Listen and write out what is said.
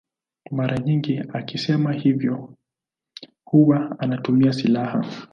Mara nyingi akisema hivyo huwa anatumia silaha.